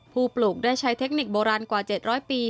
ปลูกได้ใช้เทคนิคโบราณกว่า๗๐๐ปี